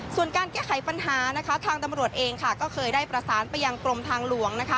ส่วนการแก้ไขปัญหานะคะทางตำรวจเองก็เคยได้ประสานไปยังกรมทางหลวง